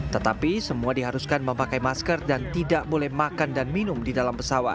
tetapi semua diharuskan memakai masker dan tidak boleh makan dan minum di dalam pesawat